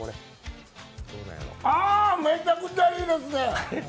あ、めちゃくちゃいいですね。